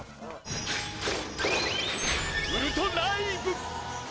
「ウルトライブ！」。